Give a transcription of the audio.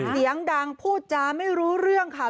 เสียงดังพูดจาไม่รู้เรื่องค่ะ